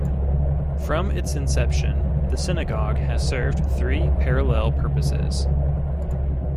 From its inception the synagogue has served three parallel purposes.